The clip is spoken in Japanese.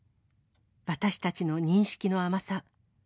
私たちの認識の甘さ。